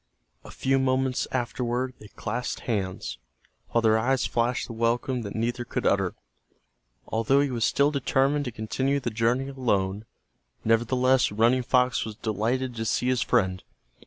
A few moments afterward they clasped hands, while their eyes flashed the welcome that neither could utter. Although he was still determined to continue the journey alone, nevertheless Running Fox was delighted to see his friend.